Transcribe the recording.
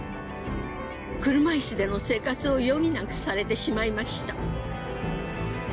車椅子での生活を余儀なくされてしまいました。